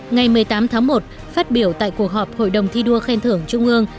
ngày một mươi tám tháng một phát biểu tại cuộc họp hội đồng thi đua khen thưởng trung ương